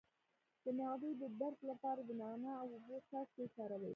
د معدې د درد لپاره د نعناع او اوبو څاڅکي وکاروئ